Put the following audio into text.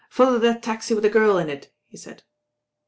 ''Follow that taxi with the girl in it," he said.